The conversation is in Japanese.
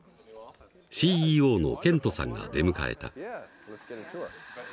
ＣＥＯのケントさんが出迎えた。